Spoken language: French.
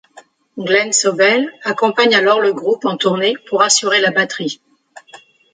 Glen Sobel, accompagne alors le groupe en tournée pour assurer la batterie.